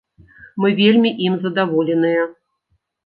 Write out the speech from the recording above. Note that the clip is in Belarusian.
Мы вельмі ім задаволеныя.